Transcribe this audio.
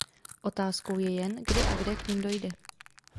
Otázkou je jen, kdy a kde k nim dojde.